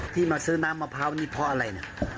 มาซื้อน้ำมะพร้าวนี่เพราะอะไรนะ